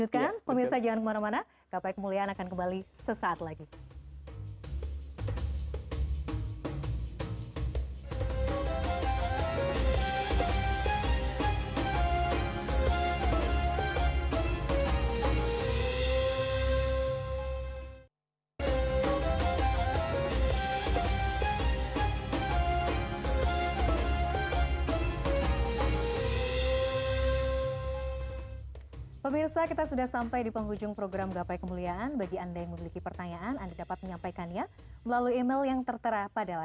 kita akan lanjutkan pemirsa jalan kemana mana